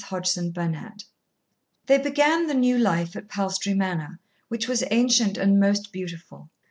Chapter Nine They began the new life at Palstrey Manor, which was ancient and most beautiful.